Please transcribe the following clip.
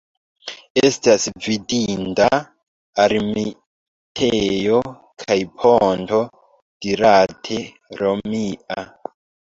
Estas vidinda ermitejo kaj ponto dirate romia.